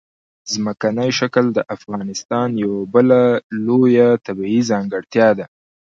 ځمکنی شکل د افغانستان یوه بله لویه طبیعي ځانګړتیا ده.